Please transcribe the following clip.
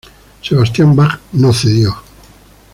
Sebastian Bach no cedió.